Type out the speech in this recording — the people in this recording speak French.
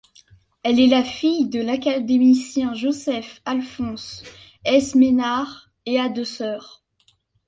Elle est la fille de l’académicien Joseph-Alphonse Esménard, et a deux sœurs.